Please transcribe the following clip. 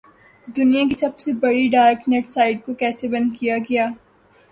دنیا کی سب سے بڑی ڈارک نیٹ سائٹ کو کیسے بند کیا گیا؟